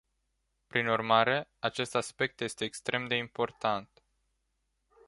Prin urmare, acest aspect este extrem de important.